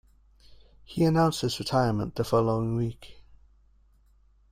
He announced his retirement the following week.